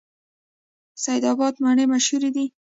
سید اباد مڼې مشهورې دي؟